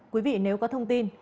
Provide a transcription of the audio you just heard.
quý vị nếu có thông tin